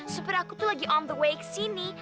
supir aku tuh lagi on the way kesini